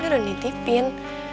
dia udah dititipin